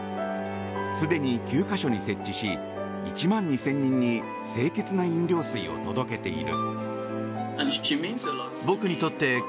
すでに９か所に設置し１万２０００人に清潔な飲料水を届けている。